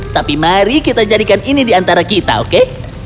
tapi mari kita jadikan ini di antara kita oke